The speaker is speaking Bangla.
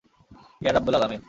ইয়া রাব্বল আলামীন।